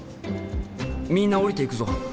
みんな降りていくぞ！